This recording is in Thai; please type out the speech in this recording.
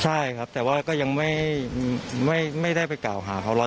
ใช่ครับแต่ว่าก็ยังไม่ได้ไปเก่าหาเขา๑๐๐ครับ